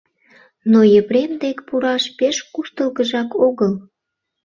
Но Епрем дек пураш пеш куштылгыжак огыл.